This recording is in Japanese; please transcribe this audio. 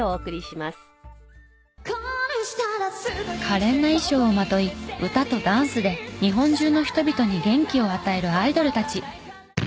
可憐な衣装をまとい歌とダンスで日本中の人々に元気を与えるアイドルたち。